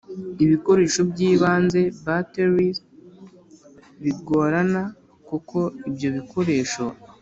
ibikoresho by ibanze batteries bigorana kuko ibyo bikoresho